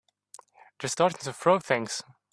They're starting to throw things!